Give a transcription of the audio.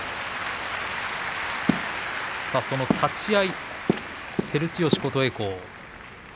その立ち合い照強対琴恵光。